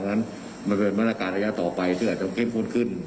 มันเป็นบรรณาการระยะต่อไปที่อาจจะเข้มข้นขึ้น